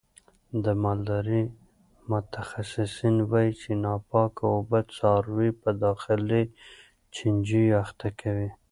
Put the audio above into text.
د مالدارۍ متخصصین وایي چې ناپاکه اوبه څاروي په داخلي چنجیو اخته کوي.